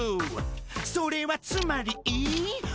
「それはつまり」